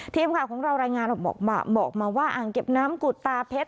ทีมข่าวของเรารายงานออกมาบอกมาว่าอ่างเก็บน้ำกุฎตาเพชร